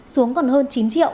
xuống còn hơn